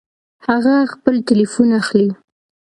هغه خپل ټيليفون اخلي